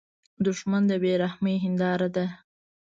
دښمن د بې رحمۍ هینداره ده